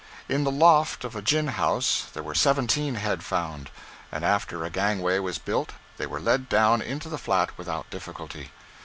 In the loft of a gin house there were seventeen head found, and after a gangway was built they were led down into the flat without difficulty.